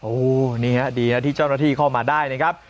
โอ้โหนี่ฮะดีนะที่เจ้าหน้าที่เข้ามาได้นะครับ